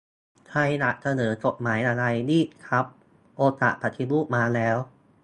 ใครอยากเสนอกฎหมายอะไร รีบครับ โอกาสปฏิรูปมาแล้ว